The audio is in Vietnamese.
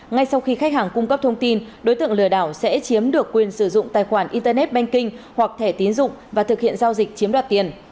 ngay sau khi khách hàng cung cấp thông tin đối tượng lừa đảo sẽ chiếm được quyền sử dụng tài khoản internet banking hoặc thẻ tín dụng và thực hiện giao dịch chiếm đoạt tiền